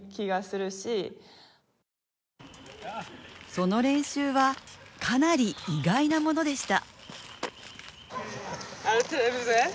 その練習は、かなり意外なものでした。